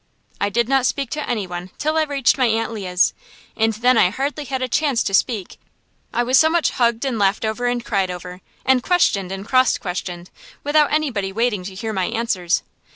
I did not speak to any one till I reached my Aunt Leah's; and then I hardly had a chance to speak, I was so much hugged and laughed over and cried over, and questioned and cross questioned, without anybody waiting to hear my answers.